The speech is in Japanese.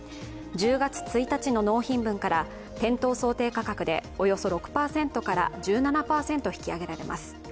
１０月１日の納品分から店頭想定価格でおよそ６％から１７％引き上げられます。